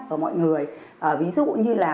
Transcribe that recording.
ở mọi người ví dụ như là